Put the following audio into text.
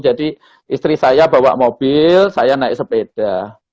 jadi istri saya bawa mobil saya naik sepeda